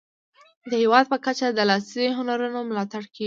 د هیواد په کچه د لاسي هنرونو ملاتړ کیږي.